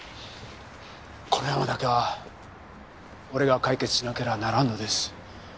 このヤマだけは俺が解決しなけりゃならんのです。